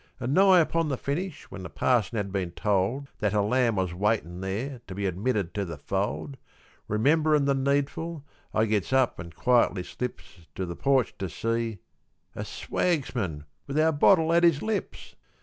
An' nigh upon the finish, when the parson had been told That a lamb was waitin' there to be admitted to the fold, Rememberin' the needful, I gets up an' quietly slips To the porch to see a swagsman with our bottle at his lips!